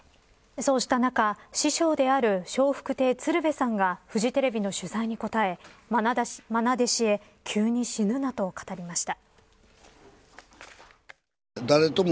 そうした中、師匠である笑福亭鶴瓶さんがフジテレビの取材に答えまな弟子へ急に死ぬなと語りました。